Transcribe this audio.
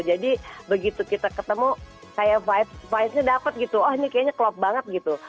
jadi begitu kita ketemu kayak vibe nya dapet gitu oh ini kayaknya klop banget gitu